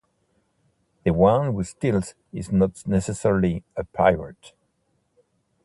The one who steals is not necessarily a pirate.